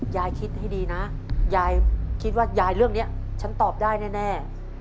ยายคิดให้ดีนะยายคิดว่ายายเรื่องนี้ฉันตอบได้แน่